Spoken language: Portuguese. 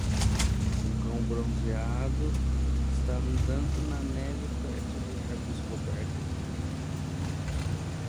Um cão bronzeado está andando na neve perto de árvores cobertas de neve.